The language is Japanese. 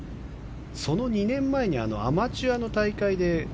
その２年前にアマチュアの大会で。